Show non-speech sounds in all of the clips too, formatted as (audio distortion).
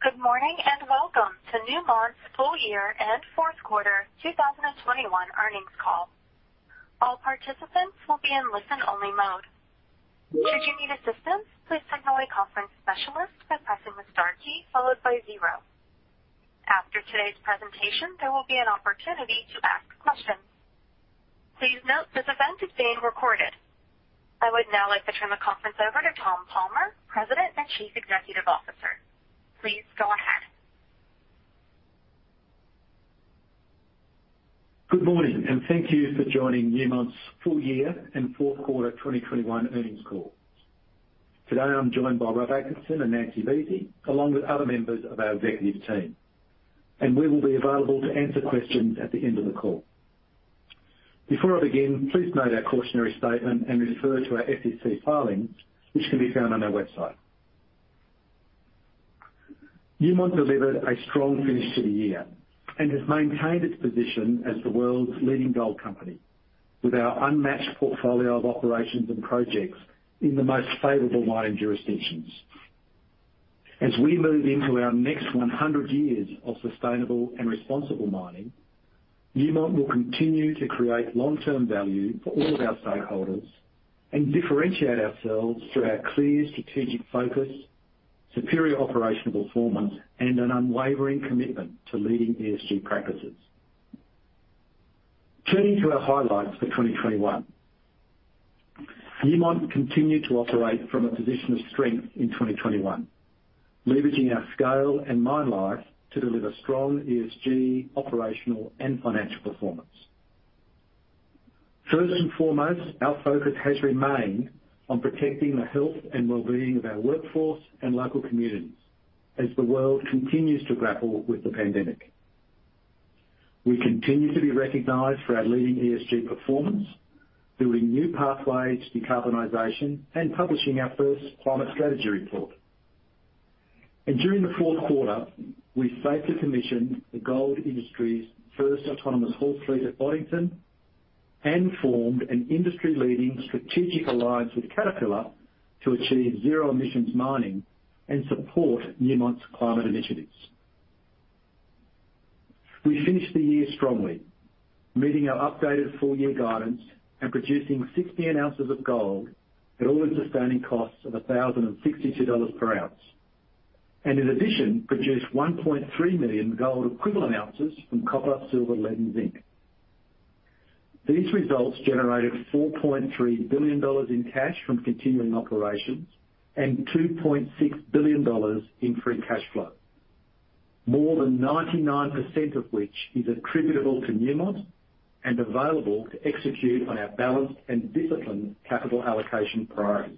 Good morning, and welcome to Newmont's full year and fourth quarter 2021 earnings call. All participants will be in listen-only mode. Should you need assistance, please signal a conference specialist by pressing the star key followed by zero. After today's presentation, there will be an opportunity to ask questions. Please note this event is being recorded. I would now like to turn the conference over to Tom Palmer, President and Chief Executive Officer. Please go ahead. Good morning, and thank you for joining Newmont's full year and fourth quarter 2021 earnings call. Today I'm joined by Rob Atkinson and Nancy Buese, along with other members of our executive team, and we will be available to answer questions at the end of the call. Before I begin, please note our cautionary statement and refer to our SEC filings, which can be found on our website. Newmont delivered a strong finish to the year and has maintained its position as the world's leading gold company with our unmatched portfolio of operations and projects in the most favorable mining jurisdictions. As we move into our next 100 years of sustainable and responsible mining, Newmont will continue to create long-term value for all of our stakeholders and differentiate ourselves through our clear strategic focus, superior operational performance, and an unwavering commitment to leading ESG practices. Turning to our highlights for 2021. Newmont continued to operate from a position of strength in 2021, leveraging our scale and mine life to deliver strong ESG, operational, and financial performance. First and foremost, our focus has remained on protecting the health and well-being of our workforce and local communities as the world continues to grapple with the pandemic. We continue to be recognized for our leading ESG performance, building new pathways to decarbonization, and publishing our first climate strategy report. During the fourth quarter, we safely commissioned the gold industry's first autonomous haulage fleet at Boddington and formed an industry-leading strategic alliance with Caterpillar to achieve zero emissions mining and support Newmont's climate initiatives. We finished the year strongly, meeting our updated full-year guidance and producing 6 million ounces of gold at all-in sustaining costs of $1,062 per ounce. In addition, we produced 1.3 million gold equivalent ounces from copper, silver, lead, and zinc. These results generated $4.3 billion in cash from continuing operations and $2.6 billion in free cash flow. More than 99% of which is attributable to Newmont and available to execute on our balanced and disciplined capital allocation priorities.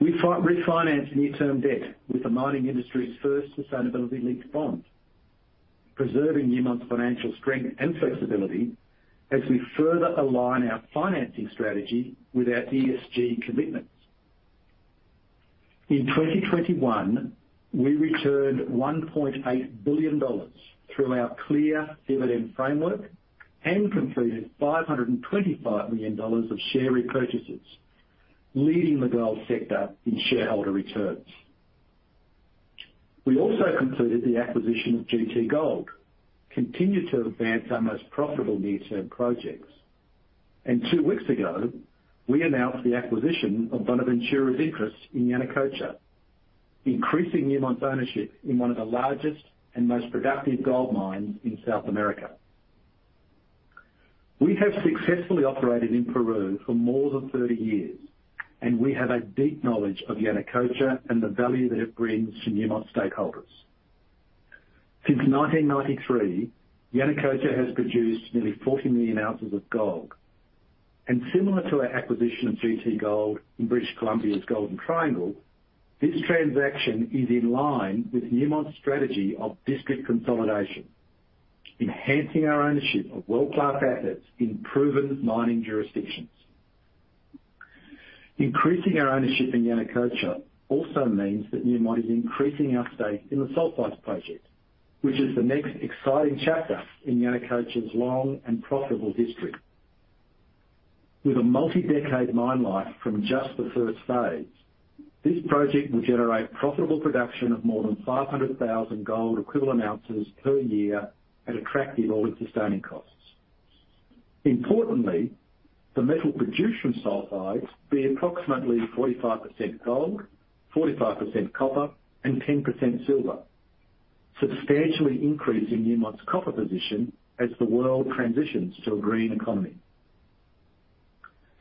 We refinanced near-term debt with the mining industry's first sustainability-linked bond, preserving Newmont's financial strength and flexibility as we further align our financing strategy with our ESG commitments. In 2021, we returned $1.8 billion through our clear dividend framework and completed $525 million of share repurchases, leading the gold sector in shareholder returns. We also completed the acquisition of GT Gold, continued to advance our most profitable near-term projects. Two weeks ago, we announced the acquisition of Buenaventura's interest in Yanacocha, increasing Newmont's ownership in one of the largest and most productive gold mines in South America. We have successfully operated in Peru for more than 30 years, and we have a deep knowledge of Yanacocha and the value that it brings to Newmont stakeholders. Since 1993, Yanacocha has produced nearly 40 million ounces of gold. Similar to our acquisition of GT Gold in British Columbia's Golden Triangle, this transaction is in line with Newmont's strategy of district consolidation, enhancing our ownership of world-class assets in proven mining jurisdictions. Increasing our ownership in Yanacocha also means that Newmont is increasing our stake in the Sulfides project, which is the next exciting chapter in Yanacocha's long and profitable district. With a multi-decade mine life from just the first phase, this project will generate profitable production of more than 500,000 gold equivalent ounces per year at attractive all-in sustaining costs. Importantly, the metal produced from Sulfides will be approximately 45% gold, 45% copper, and 10% silver, substantially increasing Newmont's copper position as the world transitions to a green economy.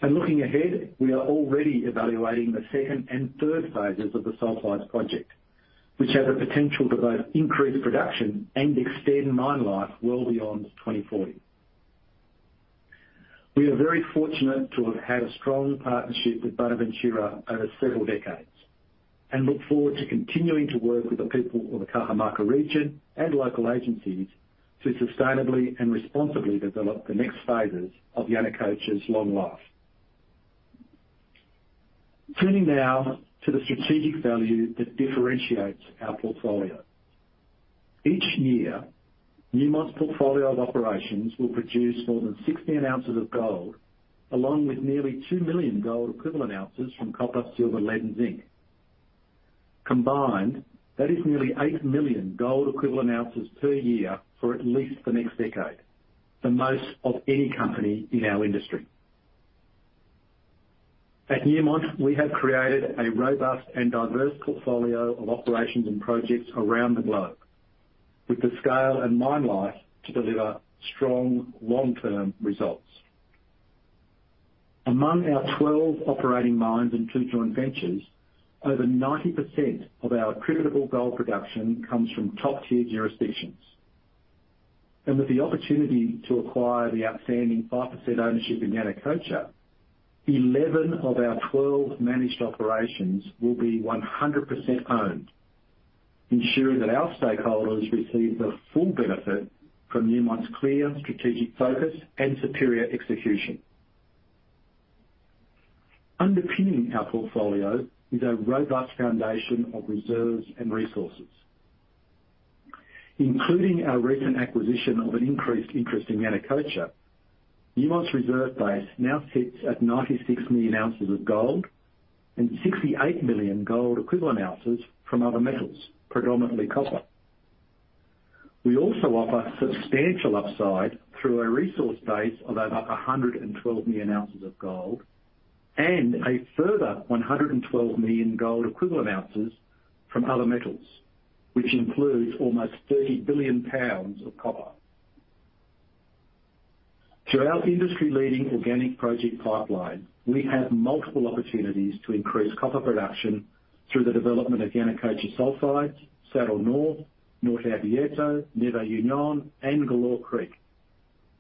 Looking ahead, we are already evaluating the second and third phases of the Sulfides project, which have the potential to both increase production and extend mine life well beyond 2040. We are very fortunate to have had a strong partnership with Buenaventura over several decades and look forward to continuing to work with the people of the Cajamarca region and local agencies to sustainably and responsibly develop the next phases of Yanacocha's long life. Turning now to the strategic value that differentiates our portfolio. Each year, Newmont's portfolio of operations will produce more than 16 ounces of gold, along with nearly 2 million gold equivalent ounces from copper, silver, lead, and zinc. Combined, that is nearly 8 million gold equivalent ounces per year for at least the next decade, the most of any company in our industry. At Newmont, we have created a robust and diverse portfolio of operations and projects around the globe with the scale and mine life to deliver strong long-term results. Among our 12 operating mines and two joint ventures, over 90% of our attributable gold production comes from top-tier jurisdictions. With the opportunity to acquire the outstanding 5% ownership in Yanacocha, 11 of our 12 managed operations will be 100% owned, ensuring that our stakeholders receive the full benefit from Newmont's clear strategic focus and superior execution. Underpinning our portfolio is a robust foundation of reserves and resources. Including our recent acquisition of an increased interest in Yanacocha, Newmont's reserve base now sits at 96 million ounces of gold and 68 million gold equivalent ounces from other metals, predominantly copper. We also offer substantial upside through our resource base of over 112 million ounces of gold and a further 112 million gold equivalent ounces from other metals, which includes almost 30 billion pounds of copper. Through our industry-leading organic project pipeline, we have multiple opportunities to increase copper production through the development of Yanacocha Sulfides, Saddle North, Norte Abierto, NuevaUnión, and Galore Creek,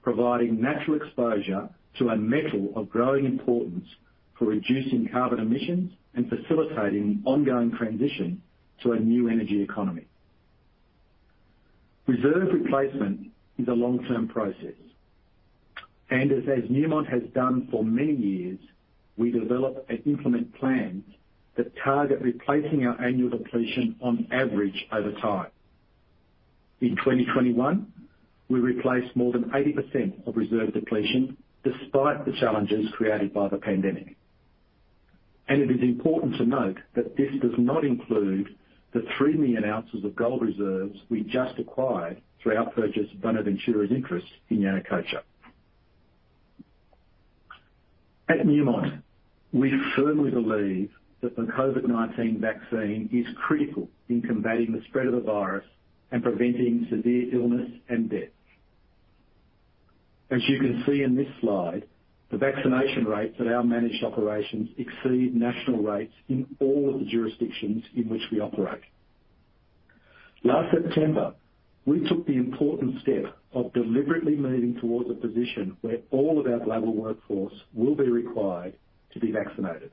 providing natural exposure to a metal of growing importance for reducing carbon emissions and facilitating ongoing transition to a new energy economy. Reserve replacement is a long-term process. As Newmont has done for many years, we develop and implement plans that target replacing our annual depletion on average over time. In 2021, we replaced more than 80% of reserve depletion despite the challenges created by the pandemic. It is important to note that this does not include the 3 million ounces of gold reserves we just acquired through our purchase of Buenaventura's interest in Yanacocha. At Newmont, we firmly believe that the COVID-19 vaccine is critical in combating the spread of the virus and preventing severe illness and death. As you can see in this slide, the vaccination rates at our managed operations exceed national rates in all of the jurisdictions in which we operate. Last September, we took the important step of deliberately moving towards a position where all of our global workforce will be required to be vaccinated.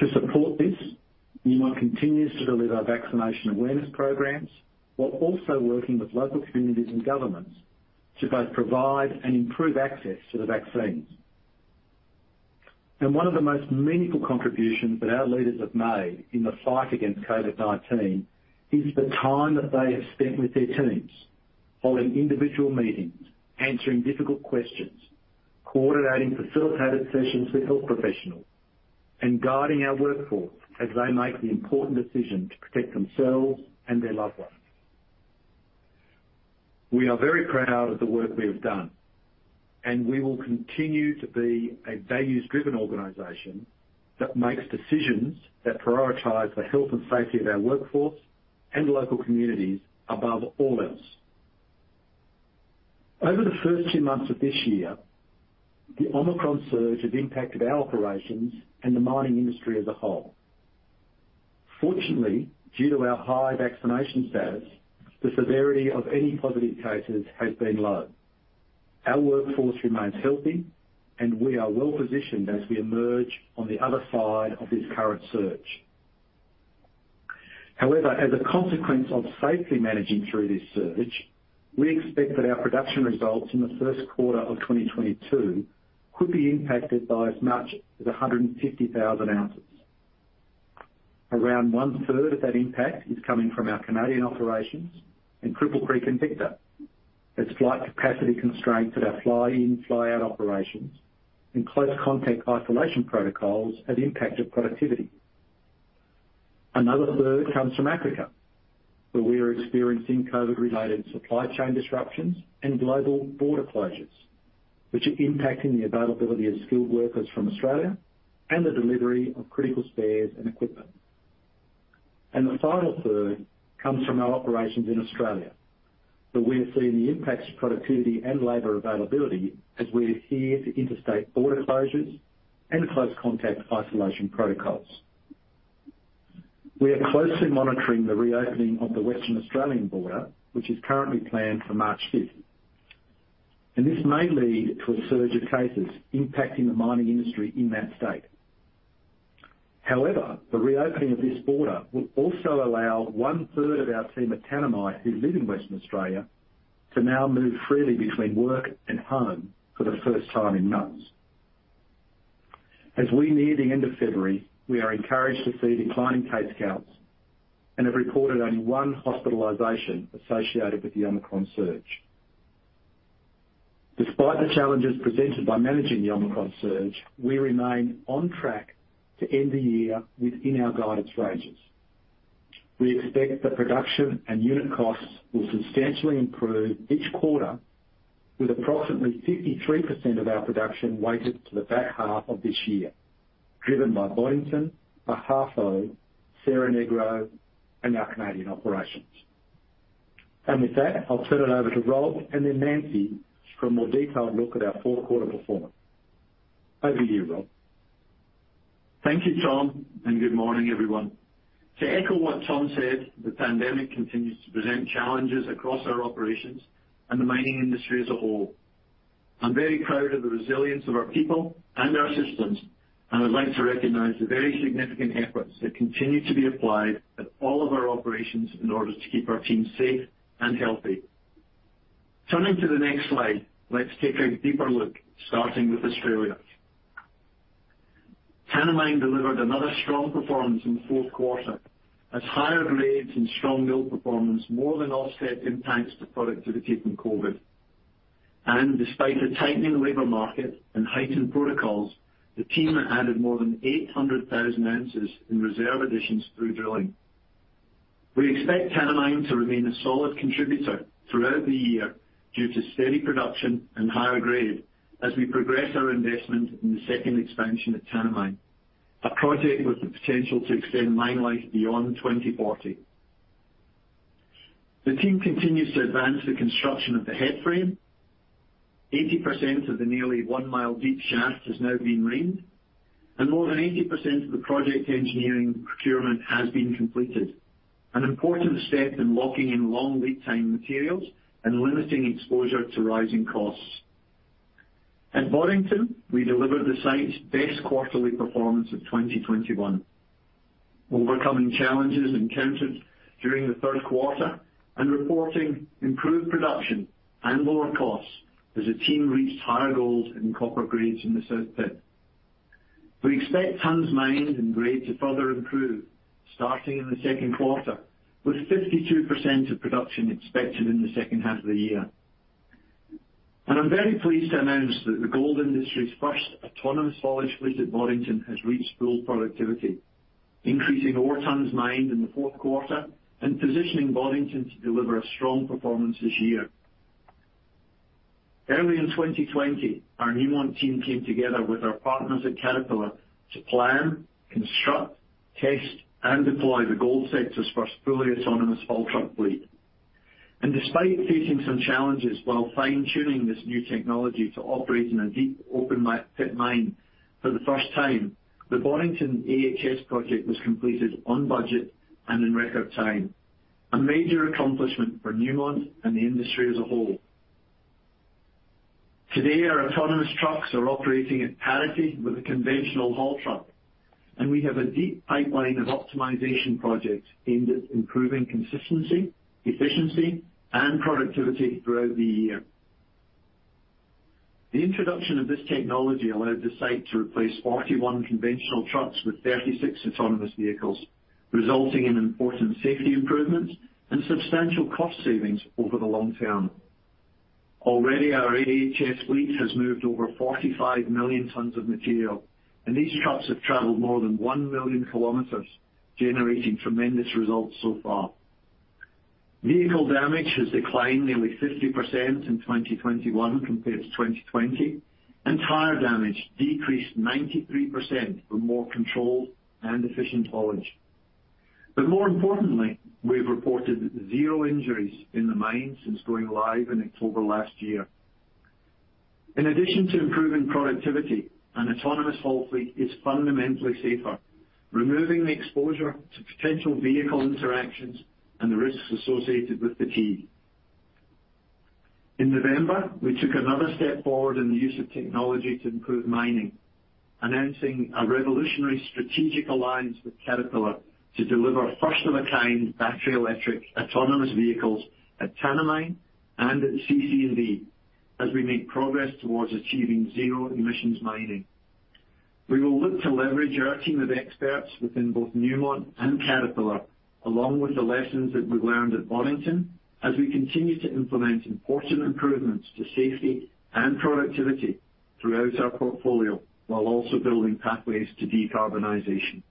To support this, Newmont continues to deliver our vaccination awareness programs while also working with local communities and governments to both provide and improve access to the vaccines. One of the most meaningful contributions that our leaders have made in the fight against COVID-19 is the time that they have spent with their teams, holding individual meetings, answering difficult questions, coordinating facilitated sessions with health professionals, and guiding our workforce as they make the important decision to protect themselves and their loved ones. We are very proud of the work we have done, and we will continue to be a values-driven organization that makes decisions that prioritize the health and safety of our workforce and local communities above all else. Over the first two months of this year, the Omicron surge has impacted our operations and the mining industry as a whole. Fortunately, due to our high vaccination status, the severity of any positive cases has been low. Our workforce remains healthy, and we are well-positioned as we emerge on the other side of this current surge. However, as a consequence of safely managing through this surge, we expect that our production results in the first quarter of 2022 could be impacted by as much as 150,000 ounces. Around 1/3 of that impact is coming from our Canadian operations in Cripple Creek & Victor as flight capacity constraints at our fly-in, fly-out operations and close contact isolation protocols have impacted productivity. Another third comes from Africa, where we are experiencing COVID-related supply chain disruptions and global border closures, which are impacting the availability of skilled workers from Australia and the delivery of critical spares and equipment. The final third comes from our operations in Australia, where we have seen the impacts to productivity and labor availability as we adhere to interstate border closures and close contact isolation protocols. We are closely monitoring the reopening of the Western Australian border, which is currently planned for March 5th. This may lead to a surge of cases impacting the mining industry in that state. However, the reopening of this border will also allow 1/3 of our team at Tanami who live in Western Australia to now move freely between work and home for the first time in months. As we near the end of February, we are encouraged to see declining case counts and have reported only one hospitalization associated with the Omicron surge. Despite the challenges presented by managing the Omicron surge, we remain on track to end the year within our guidance ranges. We expect that production and unit costs will substantially improve each quarter, with approximately 53% of our production weighted to the back half of this year, driven by Boddington, Ahafo, Cerro Negro, and our Canadian operations. With that, I'll turn it over to Rob and then Nancy for a more detailed look at our fourth quarter performance. Over to you, Rob. Thank you, Tom, and good morning, everyone. To echo what Tom said, the pandemic continues to present challenges across our operations and the mining industry as a whole. I'm very proud of the resilience of our people and our systems, and I'd like to recognize the very significant efforts that continue to be applied at all of our operations in order to keep our team safe and healthy. Turning to the next slide, let's take a deeper look, starting with Australia. Tanami delivered another strong performance in the fourth quarter as higher grades and strong mill performance more than offset impacts to productivity from COVID. Despite a tightening labor market and heightened protocols, the team added more than 800,000 ounces in reserve additions through drilling. We expect Tanami to remain a solid contributor throughout the year due to steady production and higher grade as we progress our investment in the second expansion at Tanami, a project with the potential to extend mine life beyond 2040. The team continues to advance the construction of the head frame. 80% of the nearly 1-mile deep shaft has now been ringed, and more than 80% of the project engineering procurement has been completed, an important step in locking in long lead time materials and limiting exposure to rising costs. At Boddington, we delivered the site's best quarterly performance of 2021, overcoming challenges encountered during the third quarter and reporting improved production and lower costs as the team reached higher goals in copper grades in the South Pit. We expect tons mined and grade to further improve starting in the second quarter, with 52% of production expected in the second half of the year. I'm very pleased to announce that the gold industry's first Autonomous Haulage fleet at Boddington has reached full productivity, increasing ore tons mined in the fourth quarter and positioning Boddington to deliver a strong performance this year. Early in 2020, our Newmont team came together with our partners at Caterpillar to plan, construct, test, and deploy the gold sector's first fully autonomous haul truck fleet. Despite facing some challenges while fine-tuning this new technology to operate in a deep open-pit mine for the first time, the Boddington AHS project was completed on budget and in record time, a major accomplishment for Newmont and the industry as a whole. Today, our autonomous trucks are operating at parity with the conventional haul truck, and we have a deep pipeline of optimization projects aimed at improving consistency, efficiency, and productivity throughout the year. The introduction of this technology allowed the site to replace 41 conventional trucks with 36 autonomous vehicles, resulting in important safety improvements and substantial cost savings over the long term. Already, our AHS fleet has moved over 45 million tons of material, and these trucks have traveled more than one million kilometers, generating tremendous results so far. Vehicle damage has declined nearly 50% in 2021 compared to 2020, and tire damage decreased 93% with more controlled and efficient haulage. More importantly, we've reported zero injuries in the mine since going live in October last year. In addition to improving productivity, an autonomous haul fleet is fundamentally safer, removing the exposure to potential vehicle interactions and the risks associated with fatigue. In November, we took another step forward in the use of technology to improve mining, announcing a revolutionary strategic alliance with Caterpillar to deliver first-of-a-kind battery electric autonomous vehicles at Tanami and at CC&V as we make progress towards achieving zero emissions mining. We will look to leverage our team of experts within both Newmont and Caterpillar, along with the lessons that we learned at Boddington, as we continue to implement important improvements to safety and productivity throughout our portfolio while also building pathways to decarbonization.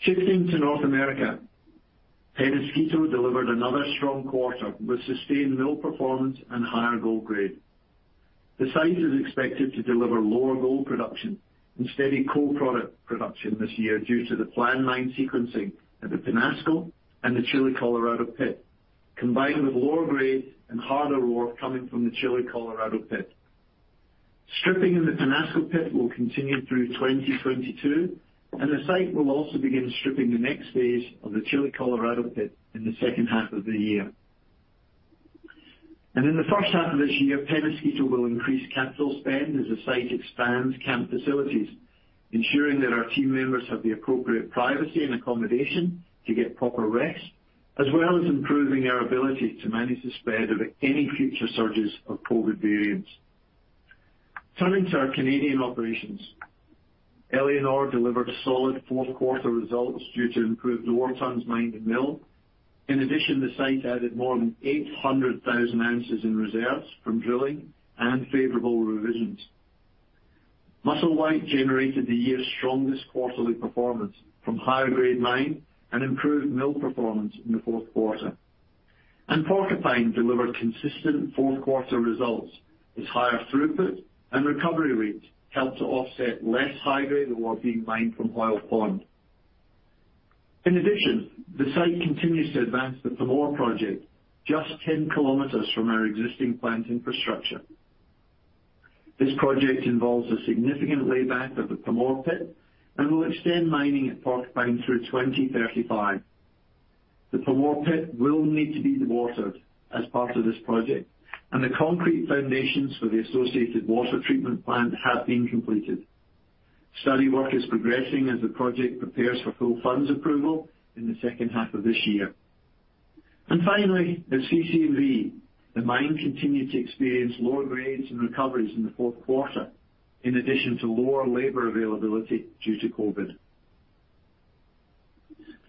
Shifting to North America, Peñasquito delivered another strong quarter with sustained mill performance and higher gold grade. The site is expected to deliver lower gold production and steady co-product production this year due to the planned mine sequencing at the Peñasco and the Chile Colorado pit, combined with lower grades and harder ore coming from the Chile Colorado pit. Stripping in the Peñasco pit will continue through 2022, and the site will also begin stripping the next phase of the Chile Colorado pit in the second half of the year. In the first half of this year, Peñasquito will increase capital spend as the site expands camp facilities, ensuring that our team members have the appropriate privacy and accommodation to get proper rest, as well as improving our ability to manage the spread of any future surges of COVID variants. Turning to our Canadian operations. Éléonore delivered solid fourth quarter results due to improved ore tons mined and milled. In addition, the site added more than 800,000 ounces in reserves from drilling and favorable revisions. Musselwhite generated the year's strongest quarterly performance from higher-grade mine and improved mill performance in the fourth quarter. Porcupine delivered consistent fourth quarter results as higher throughput and recovery rates helped to offset less high-grade ore being mined from Hoyle Pond. In addition, the site continues to advance the Pamour project just 10 km from our existing plant infrastructure. This project involves a significant lay back of the Pamour pit and will extend mining at Porcupine through 2035. The Pamour pit will need to be dewatered as part of this project, and the concrete foundations for the associated water treatment plant have been completed. Study work is progressing as the project prepares for full funds approval in the second half of this year. Finally, at CC&V, the mine continued to experience lower grades and recoveries in the fourth quarter, in addition to lower labor availability due to COVID.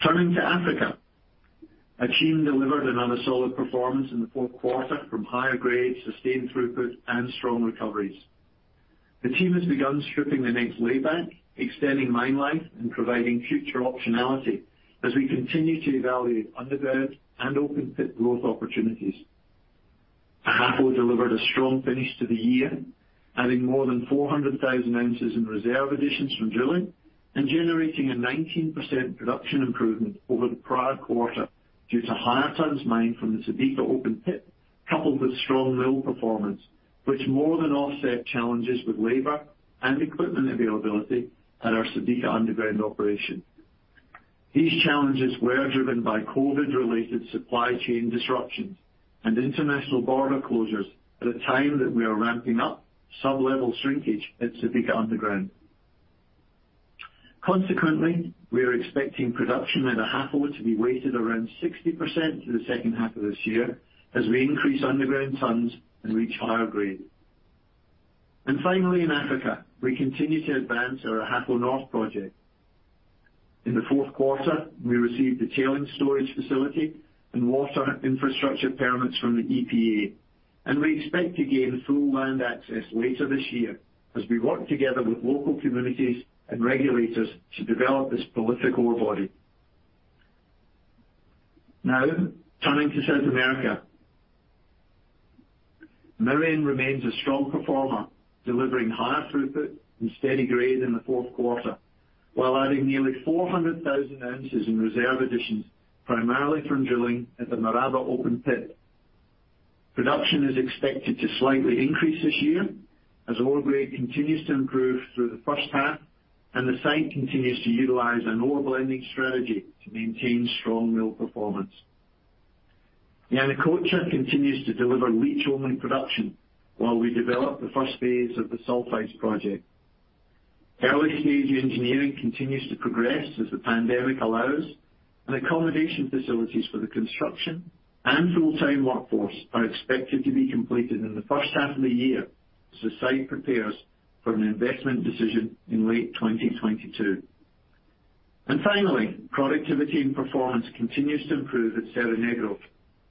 Turning to Africa. Akyem delivered another solid performance in the fourth quarter from higher grades, sustained throughput, and strong recoveries. The team has begun stripping the next lay back, extending mine life and providing future optionality as we continue to evaluate underground and open pit growth opportunities. Ahafo delivered a strong finish to the year, adding more than 400,000 ounces in reserve additions from drilling and generating a 19% production improvement over the prior quarter due to higher tons mined from the Subika open pit, coupled with strong mill performance, which more than offset challenges with labor and equipment availability at our Subika underground operation. These challenges were driven by COVID-related supply chain disruptions and international border closures at a time that we are ramping up sublevel shrinkage at Subika Underground. Consequently, we are expecting production at Ahafo to be weighted around 60% through the second half of this year as we increase underground tons and reach higher grade. Finally, in Africa, we continue to advance our Ahafo North project. In the fourth quarter, we received the tailings storage facility and water infrastructure permits from the EPA, and we expect to gain full land access later this year as we work together with local communities and regulators to develop this prolific ore body. Now turning to South America. Merian remains a strong performer, delivering higher throughput and steady grade in the fourth quarter, while adding nearly 400,000 ounces in reserve additions, primarily from drilling at the Maraba open pit. Production is expected to slightly increase this year as ore grade continues to improve through the first half, and the site continues to utilize an ore blending strategy to maintain strong mill performance. Yanacocha continues to deliver leach only production while we develop the first phase of the Sulfides project. Early stage engineering continues to progress as the pandemic allows, and accommodation facilities for the construction and full-time workforce are expected to be completed in the first half of the year as the site prepares for an investment decision in late 2022. Finally, productivity and performance continues to improve at Cerro Negro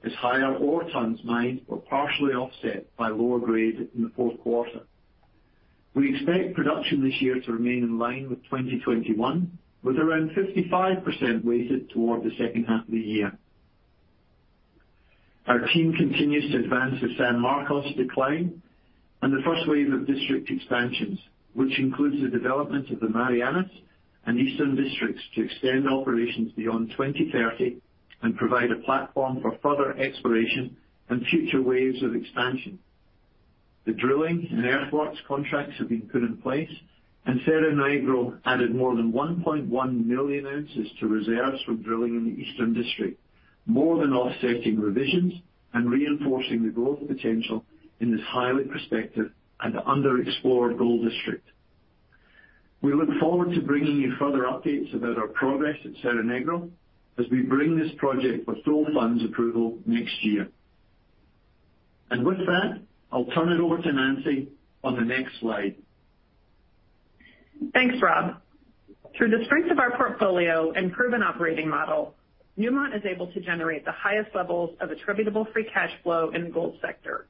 as higher ore tons mined were partially offset by lower grade in the fourth quarter. We expect production this year to remain in line with 2021, with around 55% weighted toward the second half of the year. Our team continues to advance the San Marcos decline and the first wave of district expansions, which includes the development of the Marianas and Eastern Districts to extend operations beyond 2030 and provide a platform for further exploration and future waves of expansion. The drilling and earthworks contracts have been put in place, and Cerro Negro added more than 1.1 million ounces to reserves from drilling in the Eastern District, more than offsetting revisions and reinforcing the growth potential in this highly prospective and underexplored gold district. We look forward to bringing you further updates about our progress at Cerro Negro as we bring this project for full funds approval next year. With that, I'll turn it over to Nancy on the next slide. Thanks, Rob. Through the strength of our portfolio and proven operating model, Newmont is able to generate the highest levels of attributable free cash flow in the gold sector.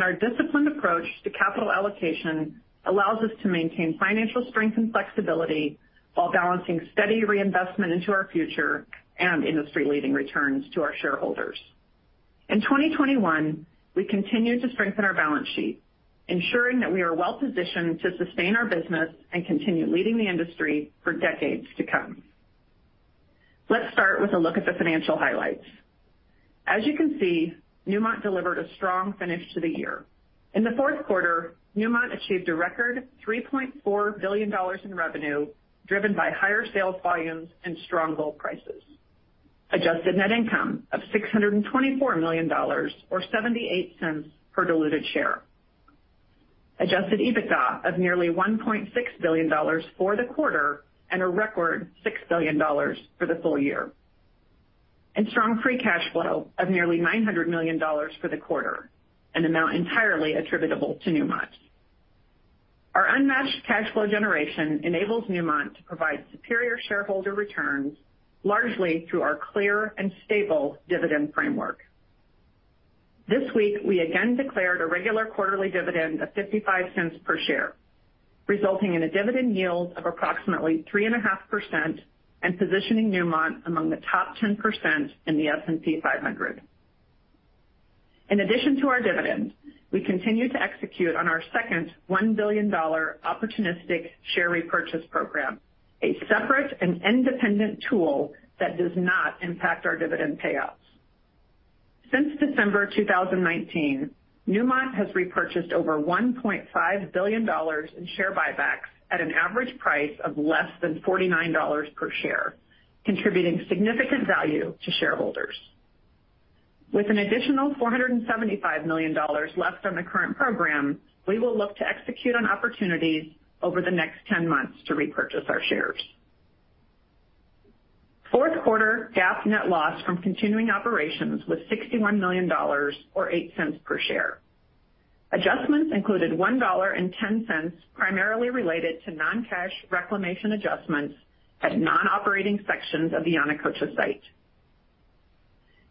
Our disciplined approach to capital allocation allows us to maintain financial strength and flexibility while balancing steady reinvestment into our future and industry-leading returns to our shareholders. In 2021, we continued to strengthen our balance sheet, ensuring that we are well positioned to sustain our business and continue leading the industry for decades to come. Let's start with a look at the financial highlights. As you can see, Newmont delivered a strong finish to the year. In the fourth quarter, Newmont achieved a record $3.4 billion in revenue, driven by higher sales volumes and strong gold prices. Adjusted net income of $624 million or $0.78 per diluted share. Adjusted EBITDA of nearly $1.6 billion for the quarter, and a record $6 billion for the full year. Strong free cash flow of nearly $900 million for the quarter, an amount entirely attributable to Newmont. Our unmatched cash flow generation enables Newmont to provide superior shareholder returns, largely through our clear and stable dividend framework. This week, we again declared a regular quarterly dividend of $0.55 per share, resulting in a dividend yield of approximately 3.5% and positioning Newmont among the top 10% in the S&P 500. In addition to our dividend, we continue to execute on our second $1 billion opportunistic share repurchase program, a separate and independent tool that does not impact our dividend payouts. Since December 2019, Newmont has repurchased over $1.5 billion in share buybacks at an average price of less than $49 per share, contributing significant value to shareholders. With an additional $475 million left on the current program, we will look to execute on opportunities over the next 10 months to repurchase our shares. Fourth quarter GAAP net loss from continuing operations was $61 million or $0.08 per share. Adjustments included $1.10, primarily related to non-cash reclamation adjustments at non-operating sections of the Yanacocha site.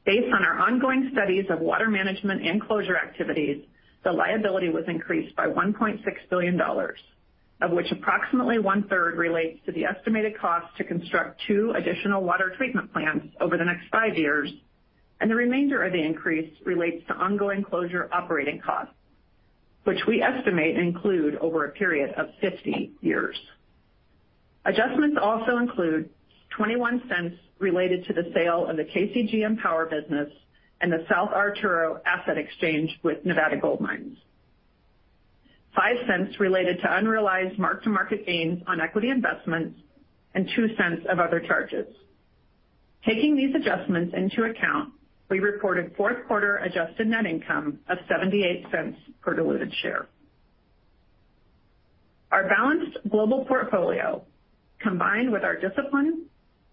Based on our ongoing studies of water management and closure activities, the liability was increased by $1.6 billion, of which approximately 1/3 relates to the estimated cost to construct two additional water treatment plants over the next five years, and the remainder of the increase relates to ongoing closure operating costs, which we estimate include over a period of 50 years. Adjustments also include $0.21 related to the sale of the KCGM power business and the South Arturo asset exchange with Nevada Gold Mines, $0.05 related to unrealized mark-to-market gains on equity investments, and $0.02 of other charges. Taking these adjustments into account, we reported fourth quarter adjusted net income of $0.78 per diluted share. Our balanced global portfolio, combined with our discipline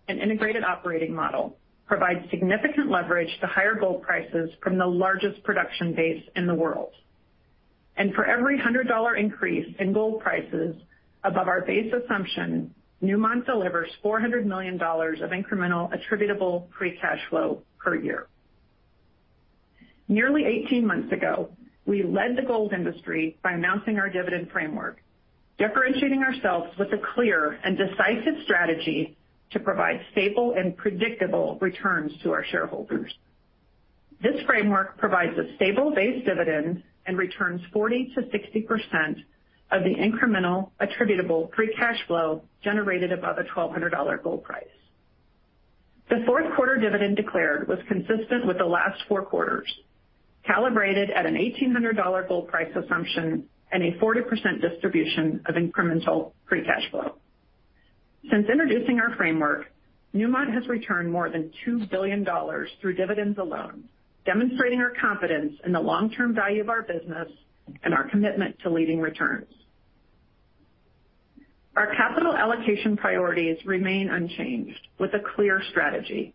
and integrated operating model, provides significant leverage to higher gold prices from the largest production base in the world. For every $100 increase in gold prices above our base assumption, Newmont delivers $400 million of incremental attributable free cash flow per year. Nearly 18 months ago, we led the gold industry by announcing our dividend framework, differentiating ourselves with a clear and decisive strategy to provide stable and predictable returns to our shareholders. This framework provides a stable base dividend and returns 40%-60% of the incremental attributable free cash flow generated above a $1,200 gold price. The fourth quarter dividend declared was consistent with the last four quarters, calibrated at an $1,800 gold price assumption and a 40% distribution of incremental free cash flow. Since introducing our framework, Newmont has returned more than $2 billion through dividends alone, demonstrating our confidence in the long-term value of our business and our commitment to leading returns. Our capital allocation priorities remain unchanged with a clear strategy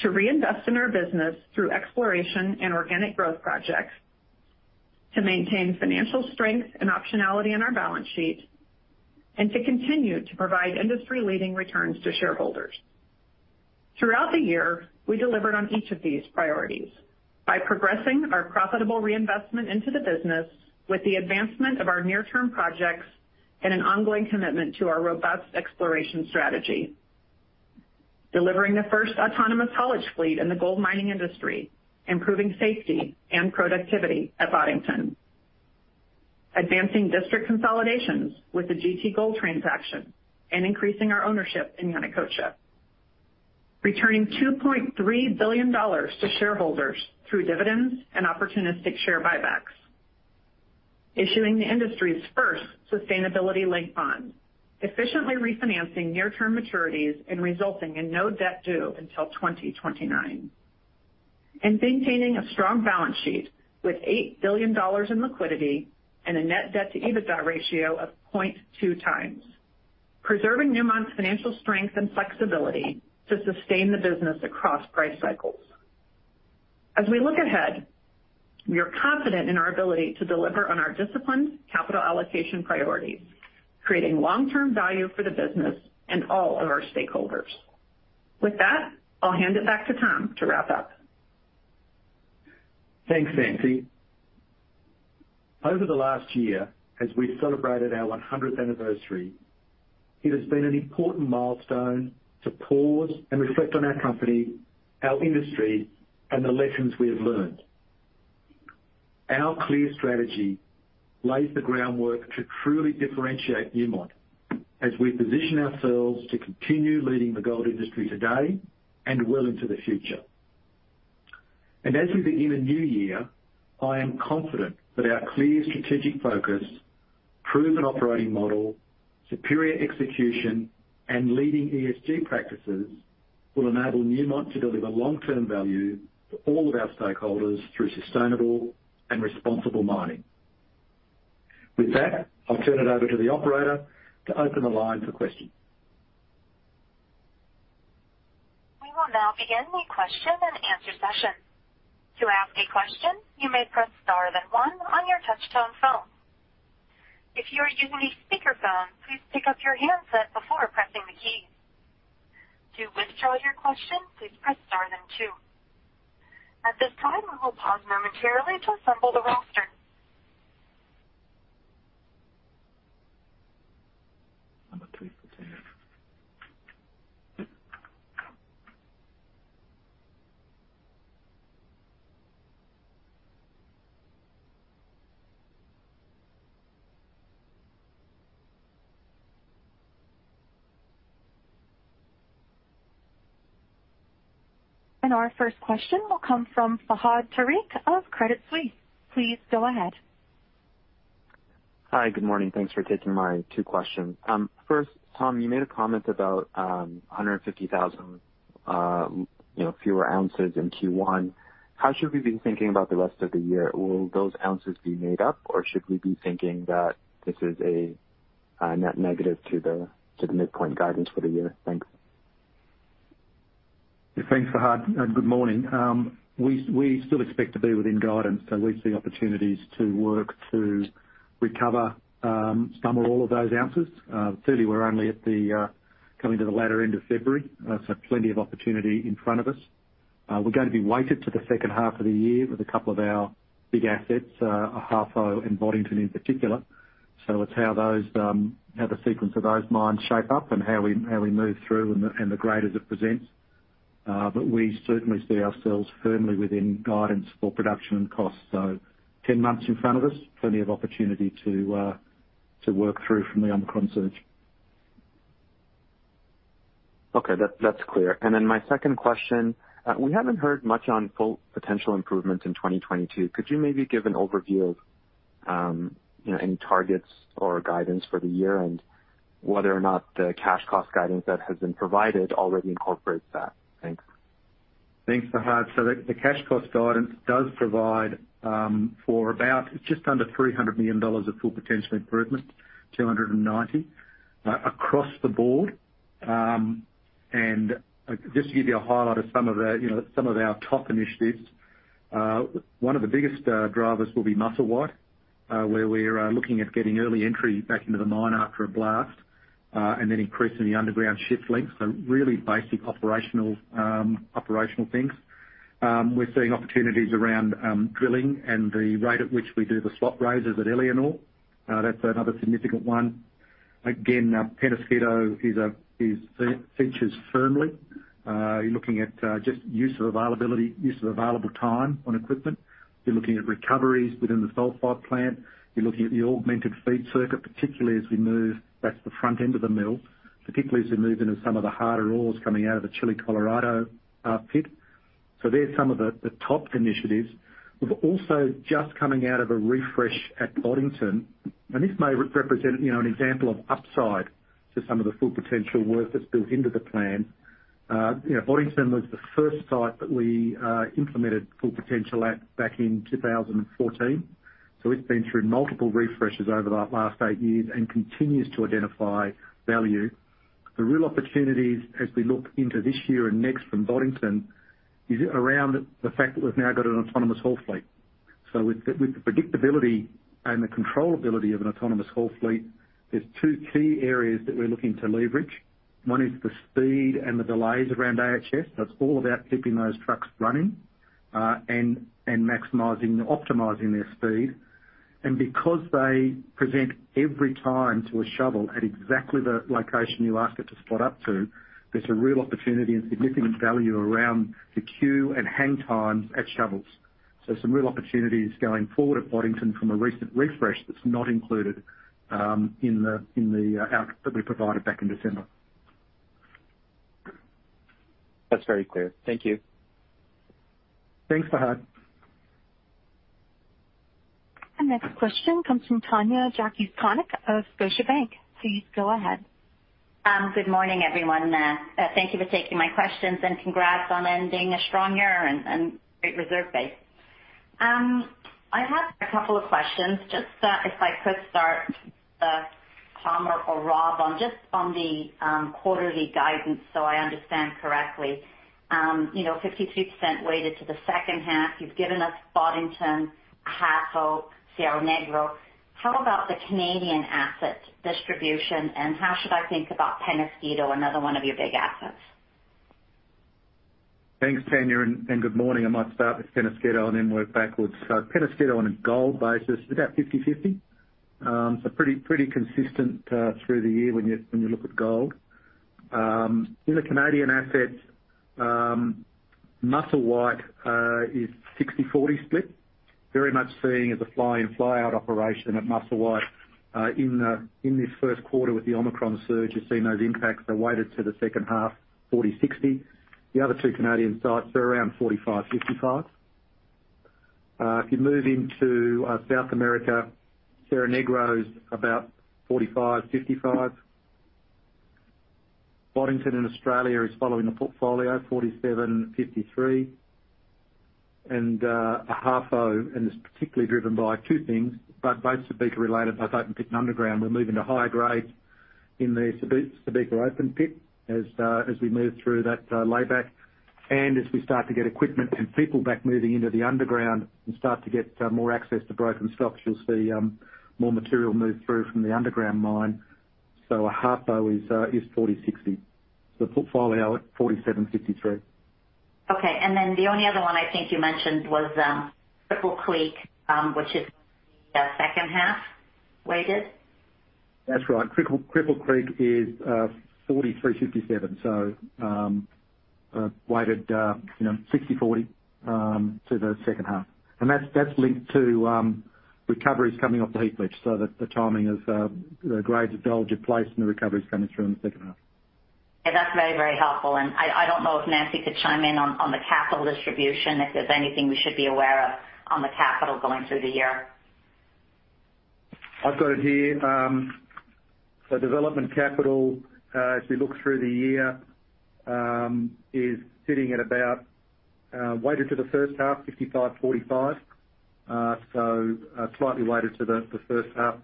to reinvest in our business through exploration and organic growth projects, to maintain financial strength and optionality in our balance sheet, and to continue to provide industry-leading returns to shareholders. Throughout the year, we delivered on each of these priorities by progressing our profitable reinvestment into the business with the advancement of our near-term projects and an ongoing commitment to our robust exploration strategy, delivering the first Autonomous Haulage fleet in the gold mining industry, improving safety and productivity at Boddington, advancing district consolidations with the GT Gold transaction and increasing our ownership in Yanacocha, returning $2.3 billion to shareholders through dividends and opportunistic share buybacks, issuing the industry's first sustainability-linked bond, efficiently refinancing near-term maturities and resulting in no debt due until 2029. Maintaining a strong balance sheet with $8 billion in liquidity and a net debt to EBITDA ratio of 0.2x, preserving Newmont's financial strength and flexibility to sustain the business across price cycles. As we look ahead, we are confident in our ability to deliver on our disciplined capital allocation priorities, creating long-term value for the business and all of our stakeholders. With that, I'll hand it back to Tom to wrap up. Thanks, Nancy. Over the last year, as we celebrated our 100th anniversary, it has been an important milestone to pause and reflect on our company, our industry, and the lessons we have learned. Our clear strategy lays the groundwork to truly differentiate Newmont as we position ourselves to continue leading the gold industry today and well into the future. As we begin a new year, I am confident that our clear strategic focus, proven operating model, superior execution, and leading ESG practices will enable Newmont to deliver long-term value for all of our stakeholders through sustainable and responsible mining. With that, I'll turn it over to the operator to open the line for questions. We will now begin the question and answer session. To ask a question, you may press star then one on your touch-tone phone. If you are using a speakerphone, please pick up your handset before pressing the key. To withdraw your question, please press star then two. At this time, we will pause momentarily to assemble the roster. (audio distortion) Our first question will come from Fahad Tariq of Credit Suisse. Please go ahead. Hi. Good morning. Thanks for taking my two questions. First, Tom, you made a comment about 150,000, you know, fewer ounces in Q1. How should we be thinking about the rest of the year? Will those ounces be made up, or should we be thinking that this is a net negative to the midpoint guidance for the year? Thanks. Thanks, Fahad, and good morning. We still expect to be within guidance, so we see opportunities to work to recover some or all of those ounces. Clearly, we're only at the coming to the latter end of February, so plenty of opportunity in front of us. We're going to be weighted to the second half of the year with a couple of our big assets, Ahafo and Boddington in particular. It's how the sequence of those mines shape up and how we move through and the grade as it presents. But we certainly see ourselves firmly within guidance for production and cost. 10 months in front of us, plenty of opportunity to work through from the Omicron surge. That's clear. My second question. We haven't heard much on Full Potential improvements in 2022. Could you maybe give an overview of, you know, any targets or guidance for the year and whether or not the cash cost guidance that has been provided already incorporates that? Thanks. Thanks, Fahad. The cash cost guidance does provide for about just under $300 million of Full Potential improvement, $290 million across the board. Just to give you a highlight of some of our top initiatives, one of the biggest drivers will be Musselwhite, where we're looking at getting early entry back into the mine after a blast and then increasing the underground shift length. Really basic operational things. We're seeing opportunities around drilling and the rate at which we do the slot raises at Éléonore. That's another significant one. Again, Peñasquito, you're looking at just use of available time on equipment. You're looking at recoveries within the sulfide plant. You're looking at the augmented feed circuit. That's the front end of the mill, particularly as we move into some of the harder ores coming out of the Chile Colorado pit. There's some of the top initiatives. We've also just coming out of a refresh at Boddington, and this may represent, you know, an example of upside to some of the Full Potential work that's built into the plan. You know, Boddington was the first site that we implemented Full Potential at back in 2014, so it's been through multiple refreshes over the last eight years and continues to identify value. The real opportunities as we look into this year and next from Boddington is around the fact that we've now got an autonomous haul fleet. With the predictability and the controllability of an autonomous haul fleet, there are two key areas that we're looking to leverage. One is the speed and the delays around AHS. That's all about keeping those trucks running and maximizing, optimizing their speed. Because they present every time to a shovel at exactly the location you ask it to spot up to, there's a real opportunity and significant value around the queue and hang time at shovels. Some real opportunities going forward at Boddington from a recent refresh that's not included in the outlook that we provided back in December. That's very clear. Thank you. Thanks, Fahad. Our next question comes from Tanya Jakusconek of Scotiabank. Please go ahead. Good morning, everyone. Thank you for taking my questions, and congrats on ending a strong year and great reserve base. I have a couple of questions, just if I could start, Tom or Rob on just on the quarterly guidance, so I understand correctly. You know, 52% weighted to the second half. You've given us Boddington, Ahafo, Cerro Negro. How about the Canadian asset distribution, and how should I think about Peñasquito, another one of your big assets? Thanks, Tanya, and good morning. I might start with Peñasquito and then work backwards. Peñasquito on a gold basis is about 50/50. Pretty consistent through the year when you look at gold. In the Canadian assets, Musselwhite is 60/40 split. Very much seeing as a fly-in fly-out operation at Musselwhite. In this first quarter with the Omicron surge, you've seen those impacts are weighted to the second half, 40/60. The other two Canadian sites are around 45/55. If you move into South America, Cerro Negro's about 45/55. Boddington in Australia is following the portfolio, 47/53. Ahafo, and it's particularly driven by two things, but both Subika related, both open pit and underground. We're moving to high grades in the Subika open pit as we move through that layback. As we start to get equipment and people back moving into the underground and start to get more access to broken stocks, you'll see more material move through from the underground mine. Ahafo is 40/60. The portfolio at 47/53. The only other one I think you mentioned was Cripple Creek, which is the second half weighted. That's right. Cripple Creek is 43/57. Weighted, you know, 60/40 to the second half. That's linked to recoveries coming off the heap leach so that the timing of the grades developed are placed and the recovery's coming through in the second half. Yeah, that's very, very helpful. I don't know if Nancy could chime in on the capital distribution, if there's anything we should be aware of on the capital going through the year. I've got it here. Development capital, as we look through the year, is sitting at about weighted to the first half 55/45. Slightly weighted to the first half.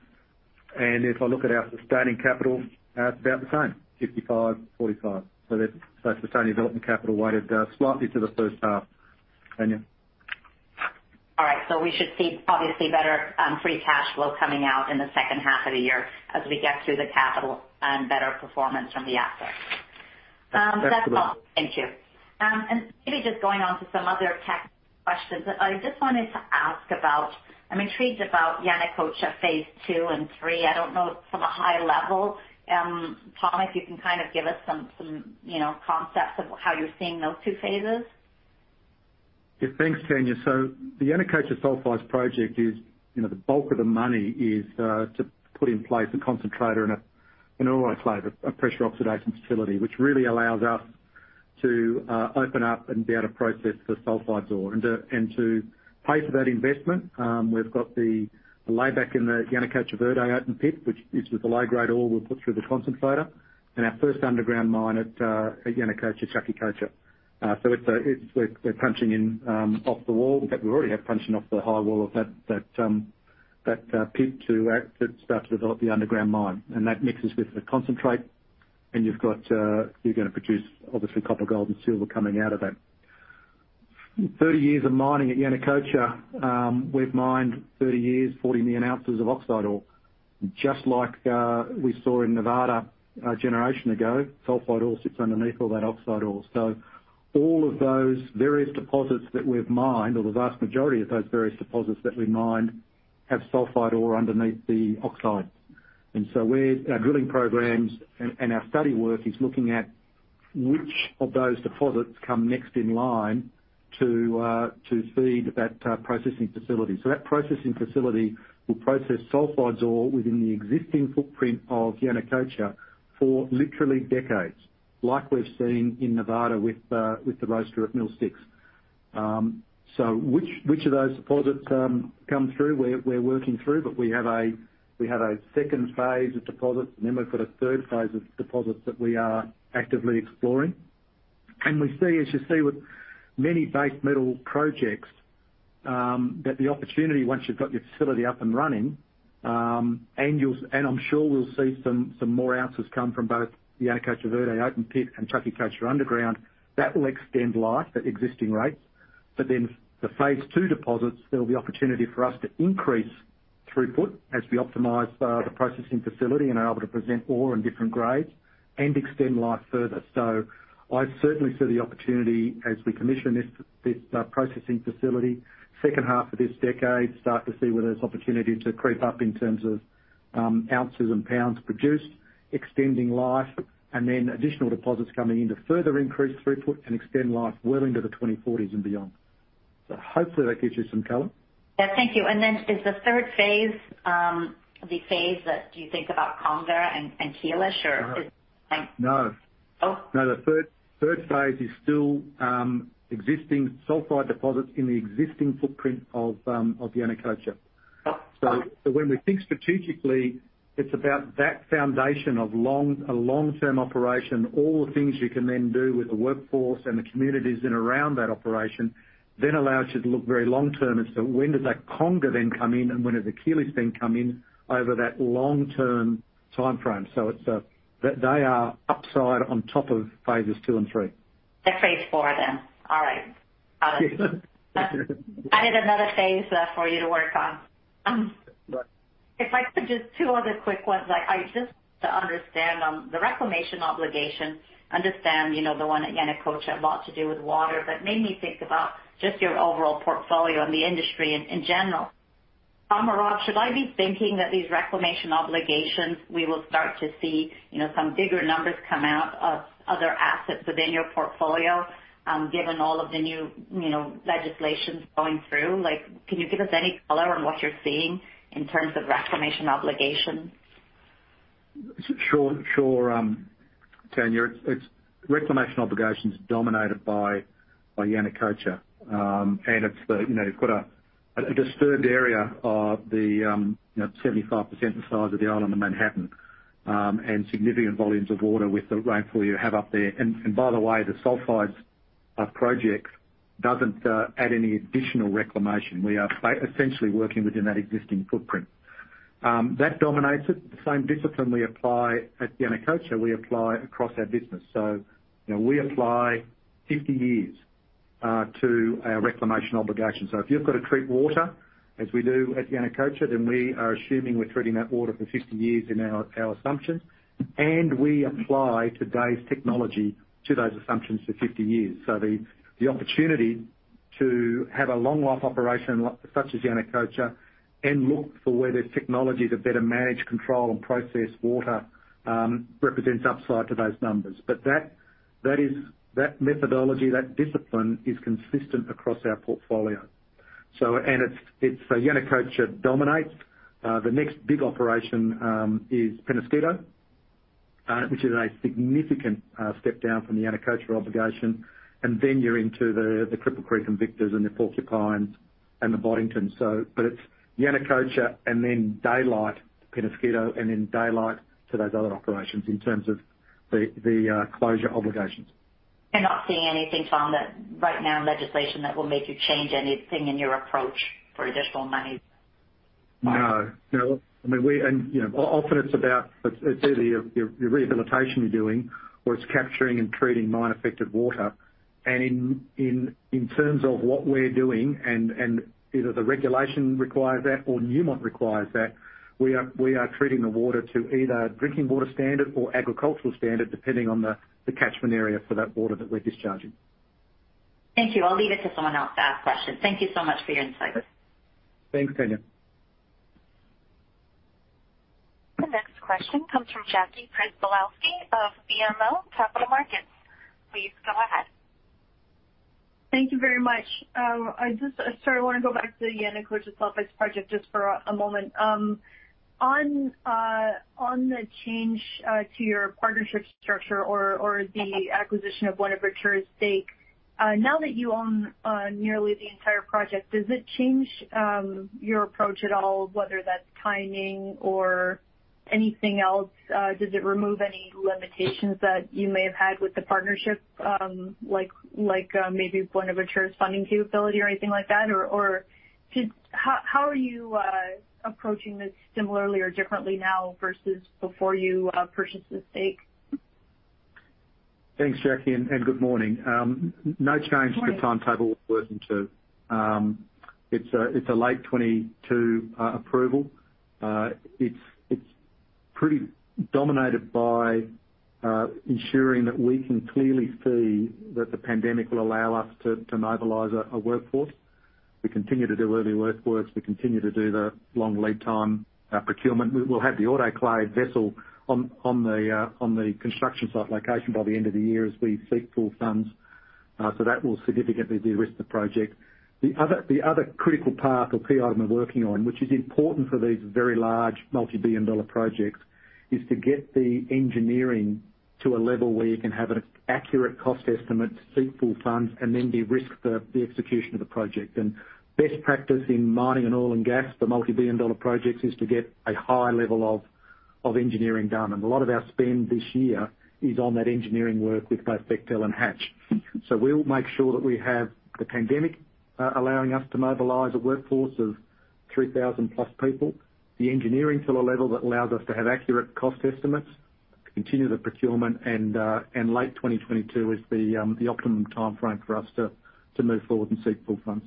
If I look at our sustaining capital, it's about the same, 55/45. That's sustaining development capital weighted slightly to the first half. Tanya? All right. We should see obviously better free cash flow coming out in the second half of the year as we get through the capital and better performance from the assets. That's it. That's all. Thank you. Maybe just going on to some other tech questions. I just wanted to ask about. I'm intrigued about Yanacocha phase two and three. I don't know from a high level, Tom, if you can kind of give us some concepts of how you're seeing those two phases. Yeah, thanks, Tanya. The Yanacocha Sulfides project is, you know, the bulk of the money is to put in place a concentrator and an autoclave, a pressure oxidation facility, which really allows us to open up and be able to process the sulfide ore. To pay for that investment, we've got the layback in the Yanacocha Verde open pit, which is with the low-grade ore we put through the concentrator. Our first underground mine at Yanacocha, Chaquicocha. It's we're punching in off the wall. In fact, we're already out punching off the high wall of that pit to start to develop the underground mine. That mixes with the concentrate. You've got you're gonna produce obviously copper, gold, and silver coming out of it. 30 years of mining at Yanacocha, we've mined 30 years, 40 million ounces of oxide ore. Just like we saw in Nevada a generation ago, sulfide ore sits underneath all that oxide ore. All of those various deposits that we've mined, or the vast majority of those various deposits that we mined, have sulfide ore underneath the oxide. Our drilling programs and our study work is looking at which of those deposits come next in line to feed that processing facility. That processing facility will process sulfide ore within the existing footprint of Yanacocha for literally decades, like we've seen in Nevada with the roaster at Mill six. Which of those deposits come through, we're working through, but we have a second phase of deposits, and then we've got a third phase of deposits that we are actively exploring. We see, as you see with many base metal projects, that the opportunity, once you've got your facility up and running, and I'm sure we'll see some more ounces come from both the Yanacocha Verde open pit and Chaquicocha underground, that will extend life at existing rates. The phase two deposits, there will be opportunity for us to increase throughput as we optimize the processing facility and are able to present ore in different grades and extend life further. I certainly see the opportunity as we commission this processing facility, second half of this decade, start to see where there's opportunity to creep up in terms of ounces and pounds produced, extending life, and then additional deposits coming in to further increase throughput and extend life well into the 2040s and beyond. Hopefully that gives you some color. Yeah. Thank you. Is the third phase the phase that you think about Conga and Caliche, or is- No. Oh. No, the third phase is still existing sulfide deposits in the existing footprint of Yanacocha. Oh, oh. When we think strategically, it's about that foundation of a long-term operation, all the things you can then do with the workforce and the communities in and around that operation, then allows you to look very long term as to when does that Conga then come in and when does the Quellish then come in over that long-term timeframe. It's they are upside on top of phases two and three. They're phase four, then. All right. Got it. I need another phase left for you to work on. Right. If I could, just two other quick ones. Like, I just to understand, on the reclamation obligation, you know, the one at Yanacocha, a lot to do with water, but made me think about just your overall portfolio and the industry in general, Tom or Rob, should I be thinking that these reclamation obligations, we will start to see, you know, some bigger numbers come out of other assets within your portfolio, given all of the new, you know, legislations going through? Like, can you give us any color on what you're seeing in terms of reclamation obligations? Sure, Tanya. It's reclamation obligations dominated by Yanacocha. It's the, you know, you've got a disturbed area of the, you know, 75% the size of the island of Manhattan, and significant volumes of water with the rainfall you have up there. By the way, the Sulfides project doesn't add any additional reclamation. We are essentially working within that existing footprint. That dominates it. The same discipline we apply at Yanacocha, we apply across our business. You know, we apply 50 years to our reclamation obligation. If you've got to treat water as we do at Yanacocha, then we are assuming we're treating that water for 50 years in our assumptions, and we apply today's technology to those assumptions for 50 years. The opportunity to have a long life operation such as Yanacocha and look for where there's technology to better manage, control, and process water represents upside to those numbers. That methodology, that discipline is consistent across our portfolio. Yanacocha dominates. The next big operation is Peñasquito, which is a significant step down from the Yanacocha obligation. Then you're into the Cripple Creek & Victor and the Porcupine and the Boddington. It's Yanacocha and then daylight, Peñasquito, and then daylight to those other operations in terms of the closure obligations. You're not seeing anything from that right now in legislation that will make you change anything in your approach for additional money? No. I mean, you know, often it's about either your rehabilitation you're doing or it's capturing and treating mine-affected water. In terms of what we're doing, either the regulation requires that or Newmont requires that, we are treating the water to either drinking water standard or agricultural standard, depending on the catchment area for that water that we're discharging. Thank you. I'll leave it to someone else to ask questions. Thank you so much for your insight. Thanks, Tanya. The next question comes from Jackie Przybylowski of BMO Capital Markets. Please go ahead. Thank you very much. I just sort of want to go back to the Yanacocha Sulfides project just for a moment. On the change to your partnership structure or the acquisition of Buenaventura's stake, now that you own nearly the entire project, does it change your approach at all, whether that's timing or anything else? Does it remove any limitations that you may have had with the partnership, like maybe Buenaventura's funding capability or anything like that? How are you approaching this similarly or differently now versus before you purchased the stake? Thanks, Jackie, and good morning. No change- Good morning. To the timetable we're working to. It's a late 2022 approval. It's pretty dominated by ensuring that we can clearly see that the pandemic will allow us to mobilize a workforce. We continue to do early works. We continue to do the long lead time procurement. We'll have the autoclave vessel on the construction site location by the end of the year as we seek full funds. So that will significantly de-risk the project. The other critical path or key item we're working on, which is important for these very large multi-billion-dollar projects, is to get the engineering to a level where you can have an accurate cost estimate to seek full funds, and then de-risk the execution of the project. Best practice in mining and oil and gas for multi-billion-dollar projects is to get a high level of engineering done. A lot of our spend this year is on that engineering work with both Bechtel and Hatch. We'll make sure that, pandemic allowing, we mobilize a workforce of 3,000-plus people, the engineering to a level that allows us to have accurate cost estimates, continue the procurement, and late 2022 is the optimum timeframe for us to move forward and seek full funds.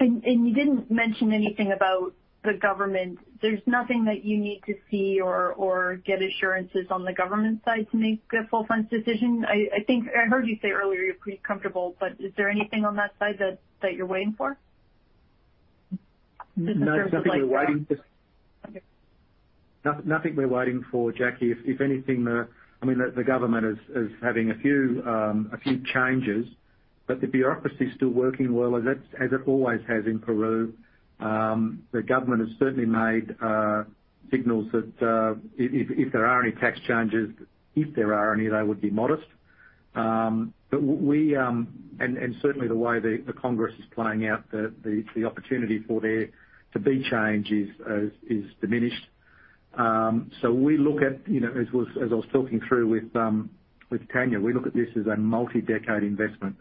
You didn't mention anything about the government. There's nothing that you need to see or get assurances on the government side to make a full funds decision? I think I heard you say earlier you're pretty comfortable, but is there anything on that side that you're waiting for? No, nothing we're waiting. Just in terms of like, Okay. Nothing we're waiting for, Jackie. If anything, I mean, the government is having a few changes, but the bureaucracy is still working well as it always has in Peru. The government has certainly made signals that if there are any tax changes, they would be modest. But we and certainly the way the Congress is playing out, the opportunity for there to be change is diminished. We look at, you know, as I was talking through with Tanya, we look at this as a multi-decade investment.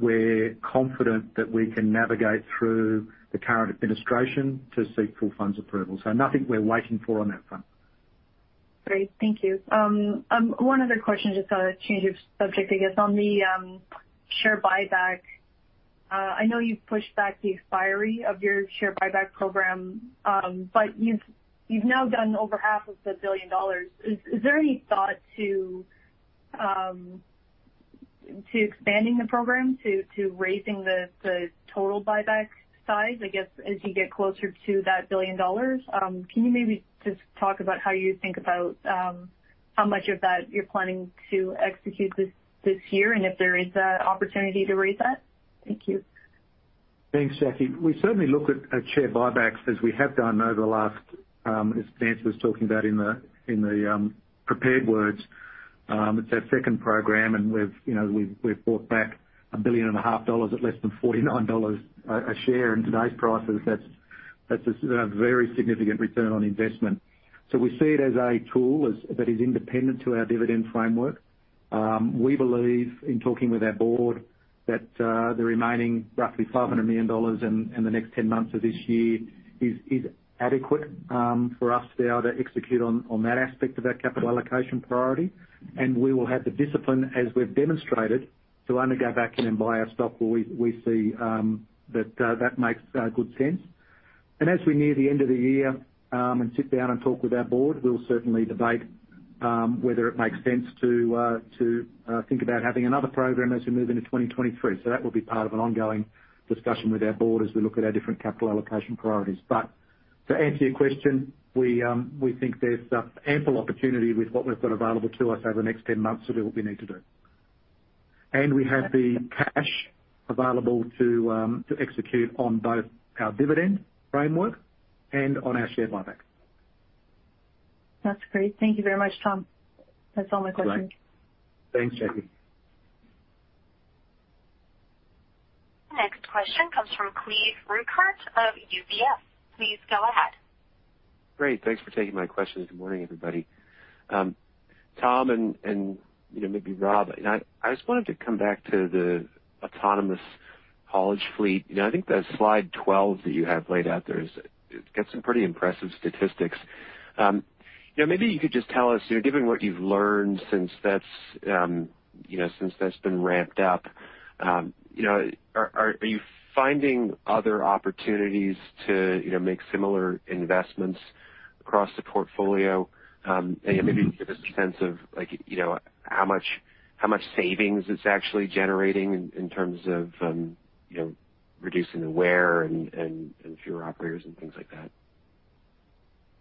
We're confident that we can navigate through the current administration to seek full funds approval. Nothing we're waiting for on that front. Great. Thank you. One other question, just a change of subject, I guess. On the share buyback, I know you've pushed back the expiry of your share buyback program. You've now done over → $500 million. Is there any thought to expanding the program to raising the total buyback size, I guess, as you get closer to that $1 billion. Can you maybe just talk about how you think about how much of that you're planning to execute this year, and if there is that opportunity to raise that? Thank you. Thanks, Jackie. We certainly look at share buybacks as we have done over the last, as Nancy was talking about in the prepared words. It's our second program, and you know, we've bought back $1.5 billion at less than $49 a share. In today's prices, that's a very significant return on investment. We see it as a tool that is independent to our dividend framework. We believe in talking with our board that the remaining roughly $500 million in the next 10 months of this year is adequate for us to be able to execute on that aspect of our capital allocation priority. We will have the discipline as we've demonstrated to only go back in and buy our stock where we see that makes good sense. As we near the end of the year and sit down and talk with our board, we'll certainly debate whether it makes sense to think about having another program as we move into 2023. That will be part of an ongoing discussion with our board as we look at our different capital allocation priorities. To answer your question, we think there's ample opportunity with what we've got available to us over the next 10 months to do what we need to do. We have the cash available to execute on both our dividend framework and on our share buybacks. That's great. Thank you very much, Tom. That's all my questions. Great. Thanks, Jackie. Next question comes from Cleve Rueckert of UBS. Please go ahead. Great. Thanks for taking my questions. Good morning, everybody. Tom and you know, maybe Rob, and I just wanted to come back to the autonomous haulage fleet. You know, I think the slide 12 that you have laid out there is. It's got some pretty impressive statistics. You know, maybe you could just tell us, you know, given what you've learned since that's been ramped up, you know, are you finding other opportunities to, you know, make similar investments across the portfolio. Maybe give us a sense of like, you know, how much savings it's actually generating in terms of, you know, reducing the wear and fewer operators and things like that.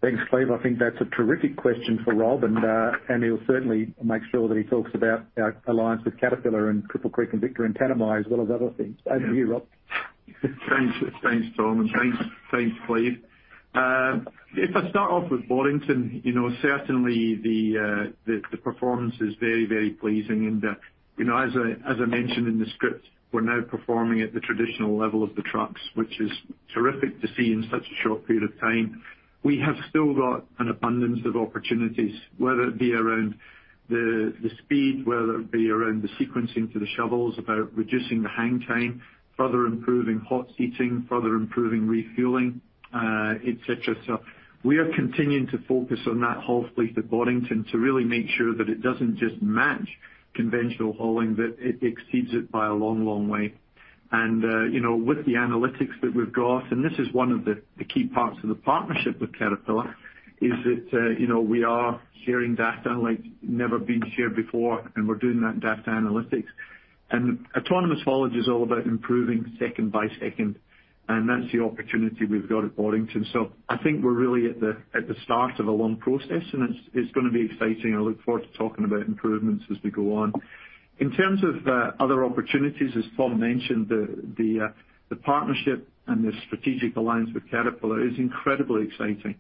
Thanks, Cleve. I think that's a terrific question for Rob, and he'll certainly make sure that he talks about our alliance with Caterpillar and Cripple Creek & Victor and Tanami, as well as other things. Over to you, Rob. Thanks. Thanks, Tom, and thanks, Cleve. If I start off with Boddington, you know, certainly the performance is very, very pleasing. You know, as I mentioned in the script, we're now performing at the traditional level of the trucks, which is terrific to see in such a short period of time. We have still got an abundance of opportunities, whether it be around the speed, whether it be around the sequencing to the shovels about reducing the hang time, further improving hot seating, further improving refueling, et cetera. We are continuing to focus on that whole fleet at Boddington to really make sure that it doesn't just match conventional hauling, but it exceeds it by a long, long way. You know, with the analytics that we've got, and this is one of the key parts of the partnership with Caterpillar, is that, you know, we are sharing data like never been shared before, and we're doing that data analytics. Autonomous Haulage is all about improving second by second, and that's the opportunity we've got at Boddington. I think we're really at the start of a long process, and it's gonna be exciting. I look forward to talking about improvements as we go on. In terms of other opportunities, as Tom mentioned, the partnership and the strategic alliance with Caterpillar is incredibly exciting.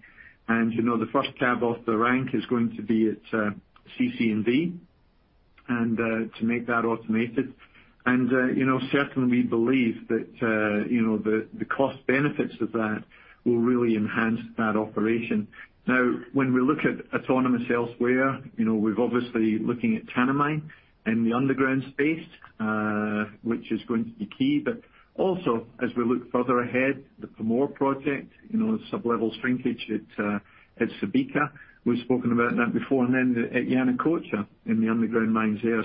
You know, the first cab off the rank is going to be its CC&V, and to make that automated. You know, certainly we believe that you know, the cost benefits of that will really enhance that operation. Now, when we look at autonomous elsewhere, you know, we're obviously looking at Tanami in the underground space, which is going to be key. Also, as we look further ahead, the Pamour Project, you know, the sublevel shrinkage at Subika. We've spoken about that before. Then at Yanacocha in the underground mines there.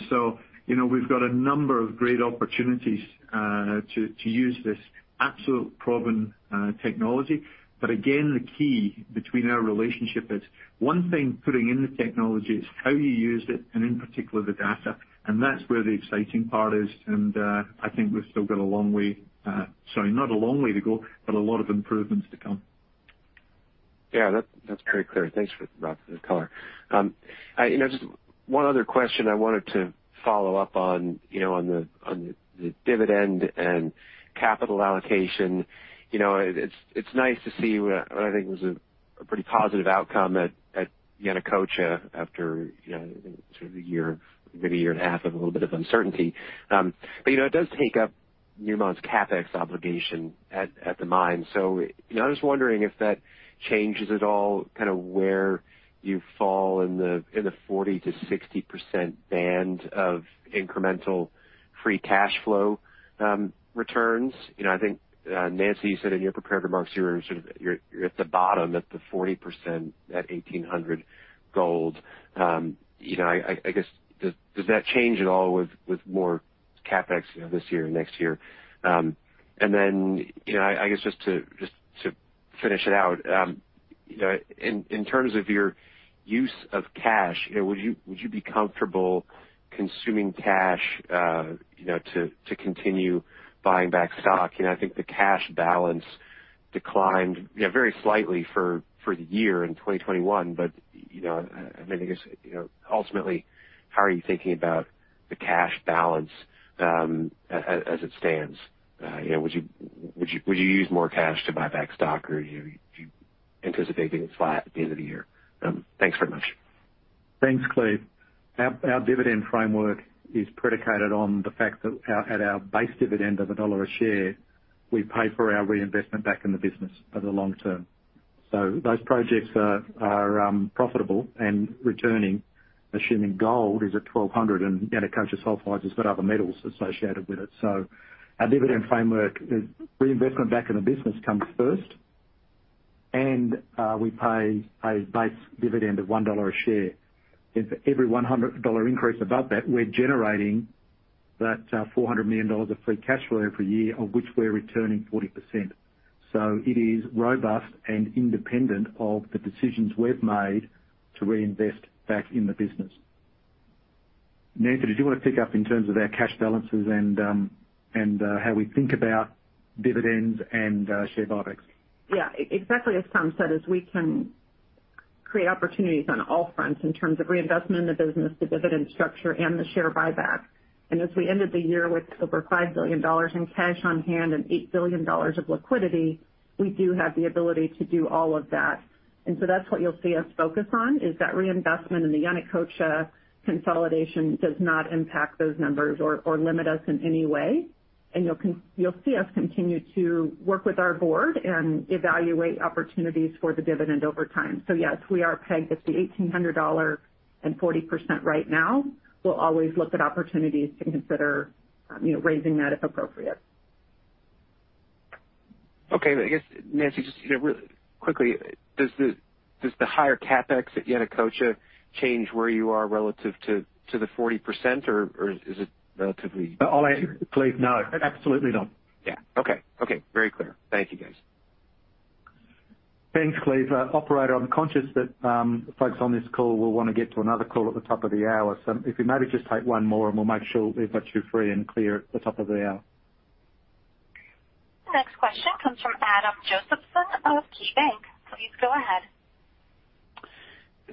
You know, we've got a number of great opportunities to use this absolute proven technology. Again, the key between our relationship is one thing, putting in the technology is how you use it and in particular the data. That's where the exciting part is. I think we've still got a long way, sorry, not a long way to go, but a lot of improvements to come. Yeah, that's very clear. Thanks for that, Rob, for the color. You know, just one other question I wanted to follow up on, you know, on the dividend and capital allocation. You know, it's nice to see what I think was a pretty positive outcome at Yanacocha after, you know, sort of a year, maybe a year and a half of a little bit of uncertainty. But, you know, it does take up Newmont's CapEx obligation at the mine. You know, I was wondering if that changes at all kinda where you fall in the 40%-60% band of incremental free cash flow returns. You know I think, Nancy, you said in your prepared remarks, you're sort of at the bottom at the 40% at $1,800 gold. I guess, does that change at all with more CapEx, you know, this year, next year. You know, I guess just to finish it out, you know, in terms of your use of cash, you know, would you be comfortable consuming cash, you know, to continue buying back stock? You know, I think the cash balance declined very slightly for the year in 2021, but, you know, I mean, I guess, you know, ultimately, how are you thinking about the cash balance as it stands? You know, would you use more cash to buy back stock? Or, you know, do you anticipate being flat at the end of the year? Thanks very much. Thanks, Cleve. Our dividend framework is predicated on the fact that at our base dividend of $1 a share, we pay for our reinvestment back in the business over the long term. Those projects are profitable and returning, assuming gold is at $1,200, and Yanacocha Sulfides has got other metals associated with it. Our dividend framework is that reinvestment back in the business comes first. We pay a base dividend of $1 a share. For every $100 increase above that, we're generating $400 million of free cash flow every year, of which we're returning 40%. It is robust and independent of the decisions we've made to reinvest back in the business. Nancy, did you wanna pick up in terms of our cash balances and how we think about dividends and share buybacks? Yeah. Exactly as Tom said, is we can create opportunities on all fronts in terms of reinvestment in the business, the dividend structure, and the share buyback. As we ended the year with over $5 billion in cash on hand and $8 billion of liquidity, we do have the ability to do all of that. That's what you'll see us focus on, is that reinvestment in the Yanacocha consolidation does not impact those numbers or limit us in any way. You'll see us continue to work with our board and evaluate opportunities for the dividend over time. Yes, we are pegged at the $1,800 and 40% right now. We'll always look at opportunities to consider, you know, raising that if appropriate. Okay. I guess, Nancy, just, you know, quickly, does the higher CapEx at Yanacocha change where you are relative to the 40%? Or is it relatively- I'll answer. Cleve, no. Absolutely not. Yeah. Okay. Okay, very clear. Thank you, guys. Thanks, Cleve. Operator, I'm conscious that folks on this call will wanna get to another call at the top of the hour. If we maybe just take one more, and we'll make sure we've got you free and clear at the top of the hour. Next question comes from Adam Josephson of KeyBanc. Please go ahead.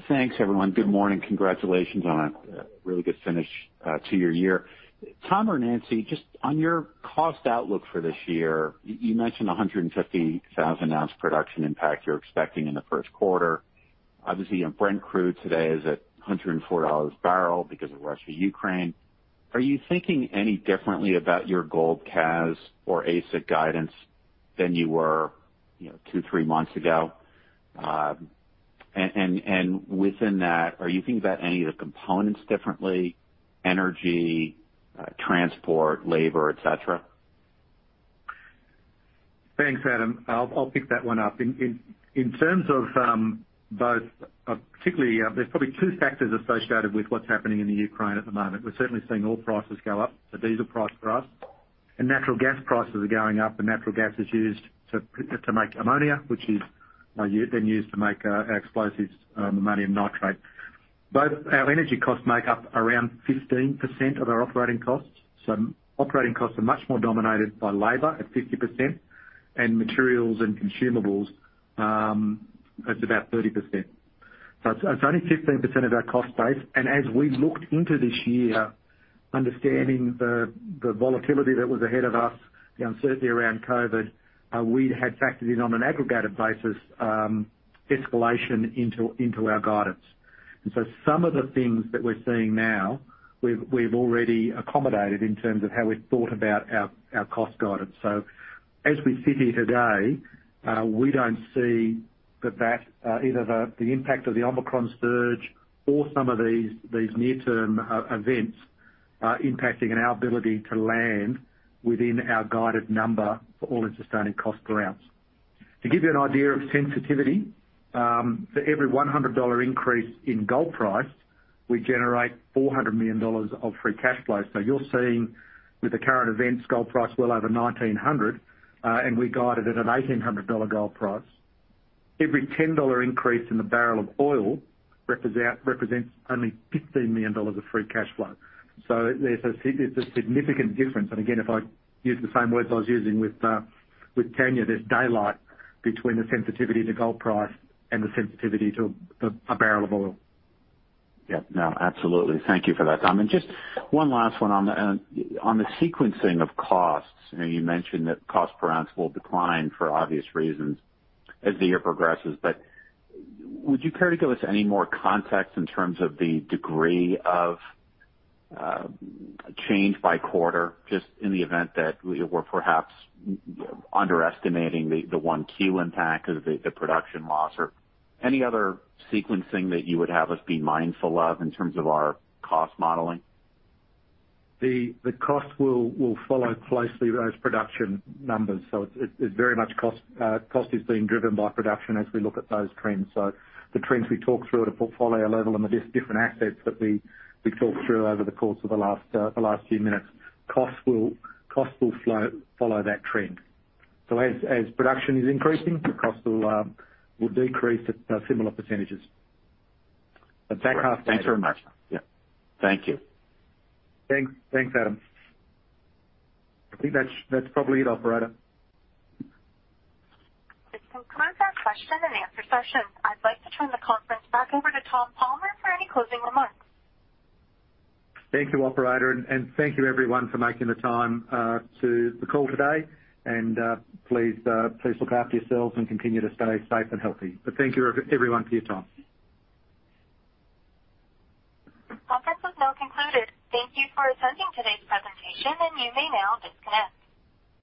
Thanks, everyone. Good morning. Congratulations on a really good finish to your year. Tom or Nancy, just on your cost outlook for this year, you mentioned a 150,000 ounce production impact you're expecting in the first quarter. Obviously, you know, Brent crude today is at $104 a barrel because of Russia-Ukraine. Are you thinking any differently about your gold CAS or AISC guidance than you were, you know, two, three months ago? Within that, are you thinking about any of the components differently, energy, transport, labor, et cetera? Thanks, Adam. I'll pick that one up. In terms of both particularly there's probably two factors associated with what's happening in Ukraine at the moment. We're certainly seeing oil prices go up, so diesel price for us. Natural gas prices are going up, and natural gas is used to make ammonia, which is then used to make our explosives ammonium nitrate. Both our energy costs make up around 15% of our operating costs, so operating costs are much more dominated by labor at 50% and materials and consumables at about 30%. It's only 15% of our cost base. As we looked into this year, understanding the volatility that was ahead of us, the uncertainty around COVID, we had factored in on an aggregated basis, escalation into our guidance. Some of the things that we're seeing now, we've already accommodated in terms of how we've thought about our cost guidance. As we sit here today, we don't see that either the impact of the Omicron surge or some of these near-term events impacting our ability to land within our guided number for all-in sustaining cost per ounce. To give you an idea of sensitivity, for every $100 increase in gold price, we generate $400 million of free cash flow. You're seeing, with the current events, gold price well over 1,900, and we guided at an $1,800 gold price. Every $10 increase in the barrel of oil represents only $15 million of free cash flow. There's a significant difference. Again, if I use the same words I was using with Tanya, there's daylight between the sensitivity to gold price and the sensitivity to a barrel of oil. Yeah. No, absolutely. Thank you for that, Tom. And just one last one on the sequencing of costs. You know, you mentioned that cost per ounce will decline for obvious reasons as the year progresses. Would you care to give us any more context in terms of the degree of change by quarter, just in the event that we're perhaps underestimating the 1Q impact of the production loss or any other sequencing that you would have us be mindful of in terms of our cost modeling? The cost will follow closely those production numbers. It's very much the cost is being driven by production as we look at those trends. The trends we talked through at a portfolio level and the different assets that we talked through over the course of the last few minutes, costs will follow that trend. As production is increasing, the cost will decrease at similar percentages. That costs Thanks very much. Yeah. Thank you. Thanks. Thanks, Adam. I think that's probably it, operator. This concludes our question and answer session. I'd like to turn the conference back over to Tom Palmer for any closing remarks. Thank you, operator. Thank you everyone for making the time to the call today. Please look after yourselves and continue to stay safe and healthy. Thank you everyone for your time. Conference is now concluded. Thank you for attending today's presentation, and you may now disconnect.